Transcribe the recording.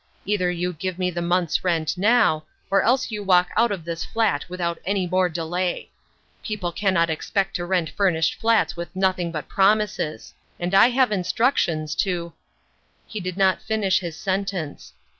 Either you give me the month's rent now, or else you walk out of this flat without any more delay. People cannot expect to rent furnished flats with nothing but promises ; and I have instructions to "— He did not finish his sentence.